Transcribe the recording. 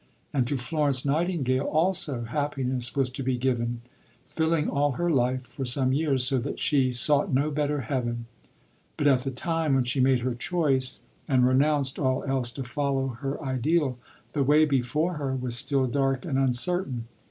And to Florence Nightingale also happiness was to be given, filling all her life for some years, so that she "sought no better heaven"; but at the time when she made her choice, and renounced all else to follow her ideal, the way before her was still dark and uncertain.